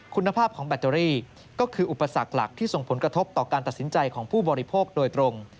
คุณภาพของแบตเตอรี่ก็คืออุปสรรคหลักที่ส่งผลกระทบต่อการตัดสินใจของผู้บริโภคโดยตรง